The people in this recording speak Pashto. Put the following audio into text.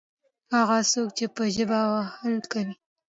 هغه څوک چې په ژبه وهل کوي.